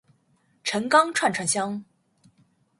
陈钢串串香